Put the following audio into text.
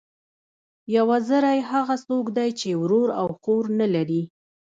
یو وزری، هغه څوک دئ، چي ورور او خور نه لري.